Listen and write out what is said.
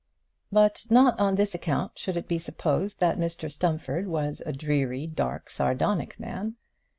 But not on this account should it be supposed that Mr Stumfold was a dreary, dark, sardonic man.